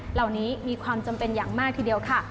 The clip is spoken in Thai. เหล่านี้มีความจำเป็นอย่างมากทีเดียวค่ะ